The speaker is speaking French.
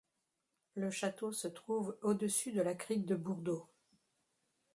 Le château se trouve au-dessus de la crique de Bourdeau.